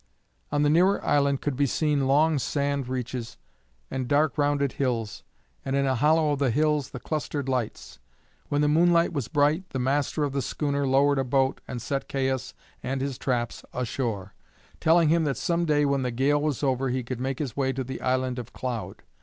On the nearer island could be seen long sand reaches, and dark rounded hills, and in a hollow of the hills the clustered lights. When the moonlight was bright the master of the schooner lowered a boat and set Caius and his traps ashore, telling him that some day when the gale was over he could make his way to the island of Cloud.